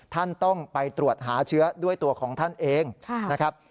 ท่านต้องไปตรวจหาเชื้อด้วยตัวของท่านเองนะครับ